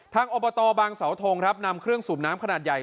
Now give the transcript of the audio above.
อบตบางสาวทงครับนำเครื่องสูบน้ำขนาดใหญ่